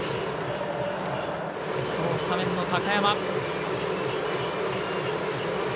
今日スタメンの高山。